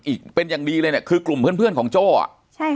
อีกเป็นอย่างดีเลยเนี้ยคือกลุ่มเพื่อนของโจ่อะใช่